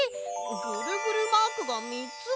ぐるぐるマークがみっつも？